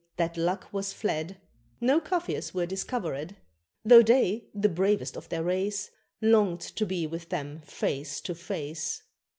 that luck was fled, No Kafirs were discoverèd: Though they, the bravest of their race, Longed to be with them face to face.